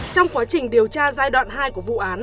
trong quá trình điều tra giai đoạn hai của vụ án